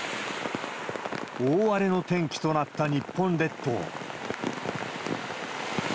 大荒れの天気となった日本列島。